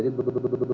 ini baru saja